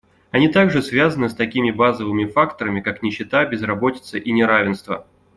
Они также связаны с такими базовыми факторами, как нищета, безработица и неравенство.